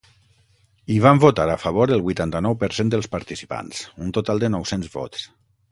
Hi van votar a favor el vuitanta-nou per cent dels participants, un total de nou-cents vots.